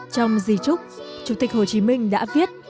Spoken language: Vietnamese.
trong di trúc chủ tịch hồ chí minh đã viết